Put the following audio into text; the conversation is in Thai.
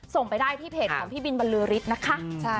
ส่งไปได้ที่เพจของพี่บินบรรลือฤทธิ์นะคะ